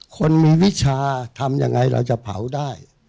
คนมีวิชาทำยังไงเราจะเผาได้